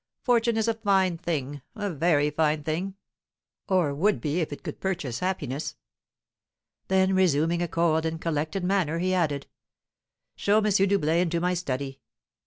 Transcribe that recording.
Fortune is a fine thing, a very fine thing; or would be if it could but purchase happiness." Then, resuming a cold and collected manner, he added: "Show M. Doublet into my study."